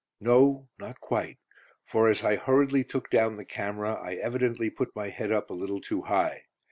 No, not quite; for as I hurriedly took down the camera, I evidently put my head up a little too high.